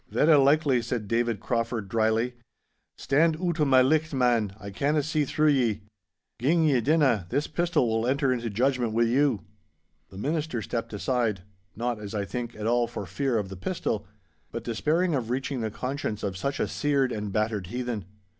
'Verra likely,' said David Crauford, drily. 'Stand oot o' my licht, man, I canna see through ye. Gin ye dinna, this pistol will enter into judgment wi' you.' The Minister stepped aside—not, as I think, at all for fear of the pistol, but despairing of reaching the conscience of such a seared and battered heathen.